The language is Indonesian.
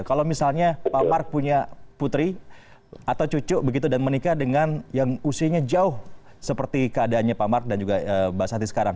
kalau misalnya pak mark punya putri atau cucu begitu dan menikah dengan yang usianya jauh seperti keadaannya pak mark dan juga mbak santi sekarang